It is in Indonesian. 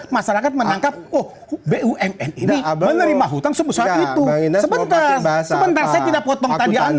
masyarakat menangkap bumn menerima hutang sebesar itu sebentar sebentar saya tidak potong